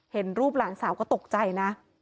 เห็นรูปหลานสาวก็ตกใจนะ